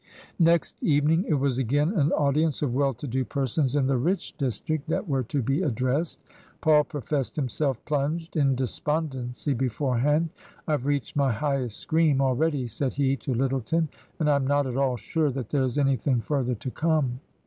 Next evening it was again an audience of well to do persons in the rich district that were to be addressed. Paul professed himself plunged in despondency before hand. " I've reached my highest scream already," said he to Lyttleton, " and Tm not at all sure that there's anything further to come."